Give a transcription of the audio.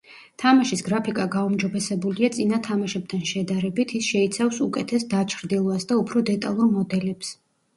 თამაშის გრაფიკა გაუმჯობესებულია წინა თამაშებთან შედარებით ის შეიცავს უკეთეს დაჩრდილვას და უფრო დეტალურ მოდელებს.